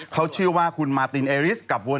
เขาชื่อว่าคุณมาตินเอริสกับโวินอัลเวิร์ต